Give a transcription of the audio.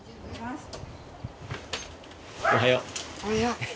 おはよう。